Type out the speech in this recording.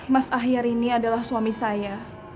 mas ahya rini adalah suami saya